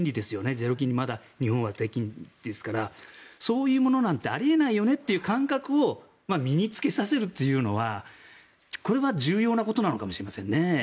ゼロ金利日本は低金利ですからそういうものなんてあり得ないよねという感覚を身に着けさせるというのはこれは重要なことかもしれませんね。